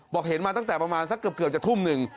บอกเห็นมาตั้งแต่ประมาณสักเกือบจะทุ่มหนึ่ง